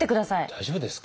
大丈夫ですか？